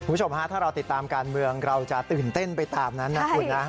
คุณผู้ชมฮะถ้าเราติดตามการเมืองเราจะตื่นเต้นไปตามนั้นนะคุณนะ